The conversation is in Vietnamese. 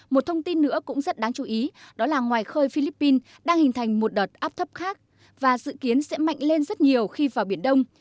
một thông tin nữa cũng rất đáng chú ý đó là ngoài khơi philippines đang hình thành một đợt áp thấp khác và dự kiến sẽ mạnh lên rất nhiều khi vào biển đông